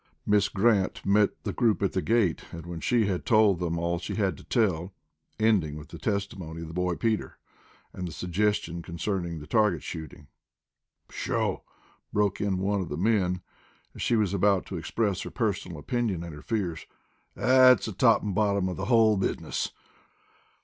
Miss Grant met the group at the gate, and when she had told them all she had to tell, ending with the testimony of the boy Peter, and the suggestion concerning the target shooting. "Sho!" broke in one of the men, as she was about to express her personal opinion and her fears, "that's the top an' bottom of the hull business!